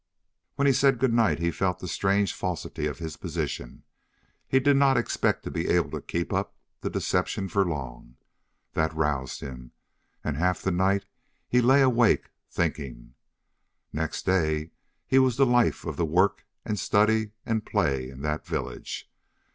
When he said good night he felt the strange falsity of his position. He did not expect to be able to keep up the deception for long. That roused him, and half the night he lay awake, thinking. Next day he was the life of the work and study and play in that village.